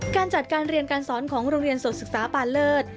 การจัดการเรียนการสอนของโรงเรียนสดศึกษาปาเลิศ